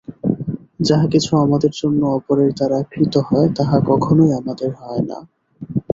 যাহা কিছু আমাদের জন্য অপরের দ্বারা কৃত হয়, তাহা কখনই আমাদের হয় না।